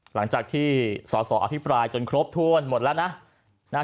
หลังจากที่สอสออภิปรายจนครบถ้วนหมดแล้วนะ